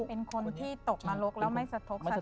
เป็นคนที่ตกนรกแล้วไม่สะทกสะอ